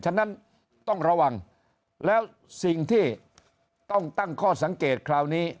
ฉะนั้นต้องระวังแล้วสิ่งที่ต้องตั้งข้อสังเกตคราวนี้